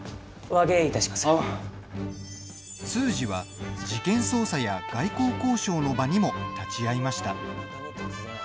通詞は事件捜査や外交交渉の場にも立ち会いました。